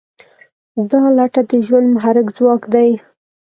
دا لټه د ژوند محرک ځواک دی.